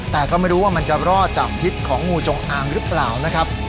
แต่ก็ไม่รู้ว่ามันจะรอดจากพิษของงูจงอางหรือเปล่านะครับ